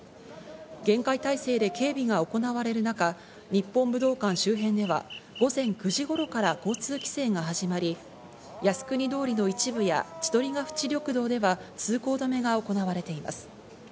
厳戒態勢で警備が行われる中、日本武道館周辺では、午前９時頃から交通規制が始まり、靖国通りの一部や、千鳥ヶ淵緑道では通行止めが行われています。